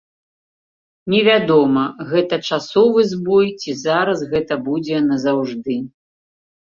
Невядома, гэта часовы збой ці зараз гэта будзе назаўжды.